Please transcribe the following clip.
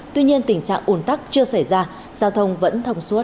tuy nhiên tình trạng ủn tắc chưa xảy ra giao thông vẫn thông suốt